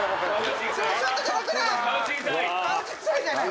「顔小さい」じゃない！